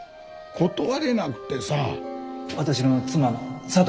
断れなくてさ。